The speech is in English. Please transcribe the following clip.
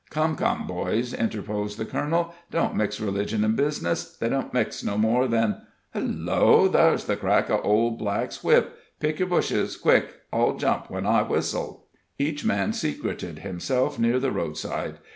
"Come, come boys," interposed the colonel; "don't mix religion an' bizness. They don't mix no more than Hello, thar's the crack of Old Black's whip! Pick yer bushes quick! All jump when I whistle!" Each man secreted himself near the roadside.